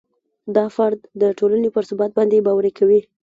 دا فرد د ټولنې پر ثبات باندې باوري کوي.